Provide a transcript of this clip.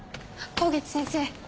香月先生。